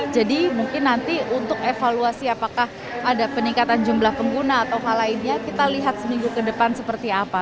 jadi mungkin nanti untuk evaluasi apakah ada peningkatan jumlah pengguna atau hal lainnya kita lihat seminggu ke depan seperti apa